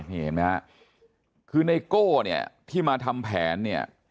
นี่เห็นไหมฮะคือไนโก้เนี่ยที่มาทำแผนเนี่ย